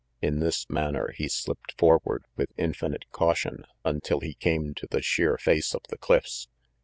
In this manner he slipped forward, with infinite caution, until he came to the sheer face of the cliffs.